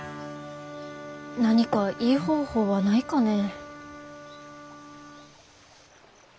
何かいい方法はないかね。